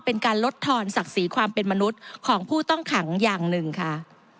เป็นการลดทอนศักดิ์ศรีความเป็นมนุษย์ของผู้ต้องขังอย่างหนึ่งค่ะ